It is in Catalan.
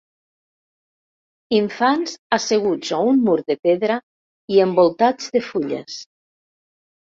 infants asseguts a un mur de pedra i envoltats de fulles